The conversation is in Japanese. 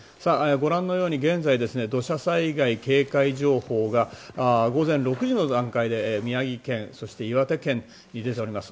ご覧のように現在土砂災害警戒情報が午前６時の段階で宮城県、岩手県に出ております。